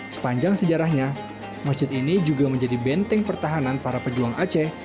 sepanjang sejarahnya masjid ini juga menjadi benteng pertahanan para pejuang aceh